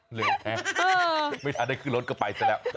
เหนื่อยแหละไม่ทานได้ขึ้นรถก็ไปซะแล้ว